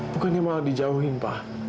bukannya mau dijauhin pa